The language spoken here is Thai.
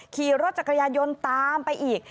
ขี่รถจักรยานยนต์ตามไปอีก